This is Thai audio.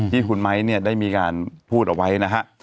ที่คุณไม้เนี่ยได้มีการพูดเอาไว้นะฮะ